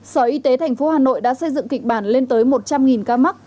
sở y tế thành phố hà nội đã xây dựng kịch bản lên tới một trăm linh ca mắc